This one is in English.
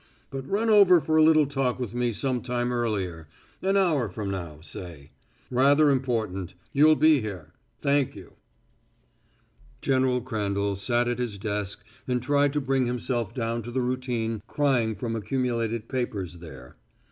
But run over for a little talk with me some time earlier an hour from now, say. Rather important.... You'll be here.... Thank you." General Crandall sat at his desk and tried to bring himself down to the routine crying from accumulated papers there.